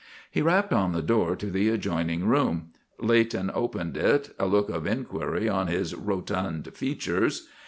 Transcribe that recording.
He rapped on the door to the adjoining room. Leighton opened it, a look of enquiry on his rotund features.